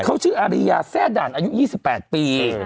เขาชื่ออาริยาแซ่ด่านอายุ๒๘ปี